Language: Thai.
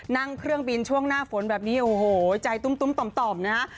นั่งเครื่องบินช่วงหน้าฝนแบบนี้โอ้โหใจตุ้มต่อมนะฮะ